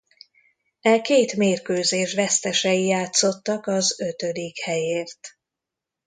E két mérkőzés vesztesei játszottak az ötödik helyért.